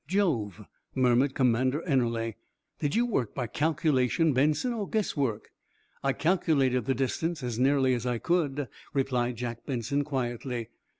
"Jove!" murmured Commander Ennerling. "Did you work by calculation, Benson, or guesswork?" "I calculated the distance as nearly as I could," replied Jack Benson quietly.